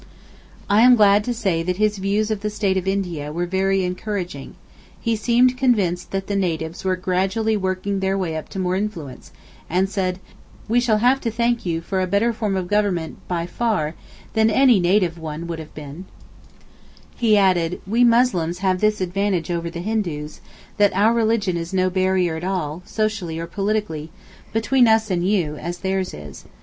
I am glad to say that his views of the state of India were very encouraging—he seemed convinced that the natives were gradually working their way up to more influence, and said 'We shall have to thank you for a better form of government by far than any native one ever would have been'—he added, 'We Muslims have this advantage over the Hindus—that our religion is no barrier at all, socially or politically—between us and you—as theirs is.